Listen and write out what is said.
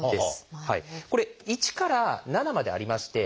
これ「１」から「７」までありまして。